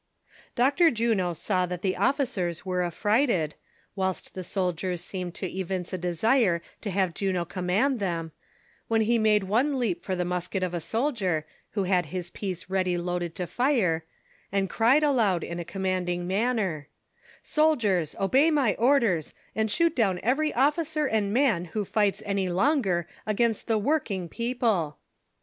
Dr. Juno saw that the officers were affrighted, whilst the soldiers seemed to evince a desire to have Juno command them, when he made one leap for the musket of a soldier, who had his piece ready loaded to fire, and cried aloud in a commanding manner : "Soldiers, obey my orders, and shoot down every officer and man who fights any longer against the workinrj peoijle